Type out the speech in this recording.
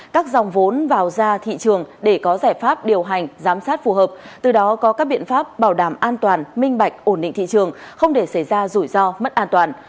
các dòng vốn vào ra thị trường để có giải pháp điều hành giám sát phù hợp từ đó có các biện pháp bảo đảm an toàn minh bạch ổn định thị trường không để xảy ra rủi ro mất an toàn